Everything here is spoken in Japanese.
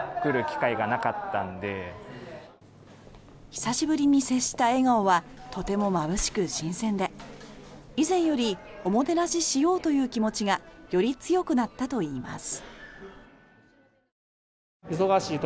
久しぶりに接した笑顔はとてもまぶしく新鮮で以前より、おもてなししようという気持ちがより強くなったといいます。